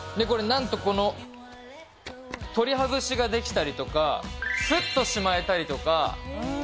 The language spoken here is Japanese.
これ、なんと、この、取り外しができたりとか、すっとしまえたりとか。